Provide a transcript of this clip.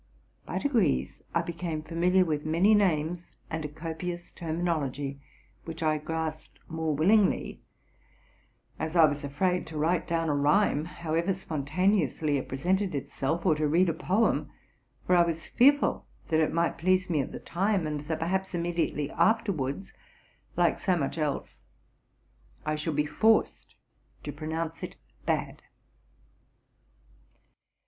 By degrees I became familiar with many names and a copious terminology, which I grasped more willingly as I was afraid to write down a rhyme, however sponta neously it presented itself, or to read a poem, for I was fearful that it might please me at the time, and that perhaps immediately afterwards, like so much else, I should be forced to pronounce it bad.